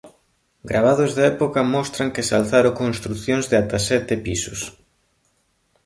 Gravados da época mostran que se alzaron construcións de ata sete pisos.